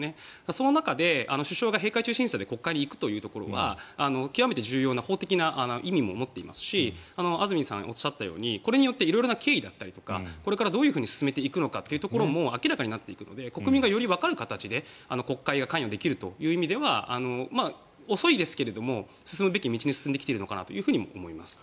その中で首相が閉会中審査で国会に行くということは極めて重要な法的な意味も持っていますし安住さんがおっしゃったようにこれによって色々な経緯だったりとかこれから、どういうふうに進めていくかも明らかになっていくので国民がよりわかる形で国会が関与できるという意味では遅いですが、進むべき道に進んできているのかなと思います。